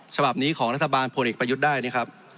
ฉบับนี้ของรัฐบาลพลเอกประยุทธ์ได้นะครับ